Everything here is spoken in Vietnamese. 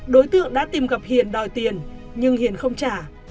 đối tượng đã tìm gặp hiền đòi tiền nhưng hiền không trả